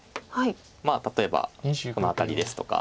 まあ例えばこの辺りですとか。